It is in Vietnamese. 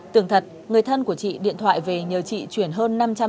tưởng thật người thân của chị điện thoại về nhờ chị chuyển hơn năm